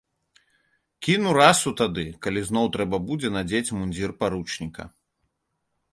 Кіну расу тады, калі зноў трэба будзе надзець мундзір паручніка.